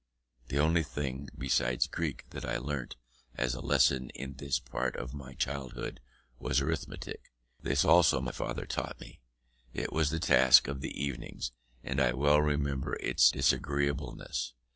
The only thing besides Greek, that I learnt as a lesson in this part of my childhood, was arithmetic: this also my father taught me: it was the task of the evenings, and I well remember its disagreeableness.